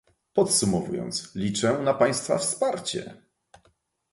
Podsumowując, liczę na państwa wsparcie